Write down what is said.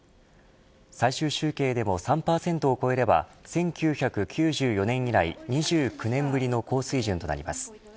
最終集計でも３％を超えれば１９９４年以来２９年ぶりの高水準となります。